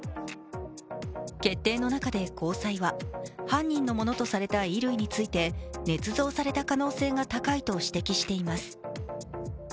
決定の中で高裁は、犯人のものとされた衣類についてねつ造された可能性が高いと指摘しています。